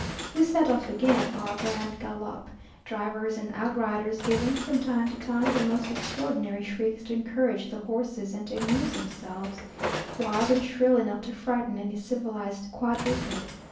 We set off again au grand galop, drivers and outriders giving, from time to time, the most extraordinary shrieks to encourage the horses and to amuse themselves, wild and shrill enough to frighten any civilized quadruped.